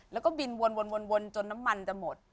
แล้วก็บินวนจนน้ำมันจะหมด